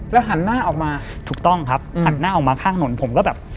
หันหน้าออกมาถูกต้องครับหันหน้าออกมาข้างถนนผมก็แบบ